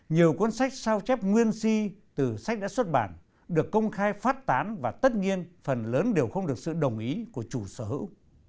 nhiều cuốn sách sao chép nguyên si từ sách đã xuất bản được công khai phát tán và tất nhiên phần lớn đều không được sự đồng ý của chủ sở hữu